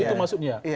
iya itu maksudnya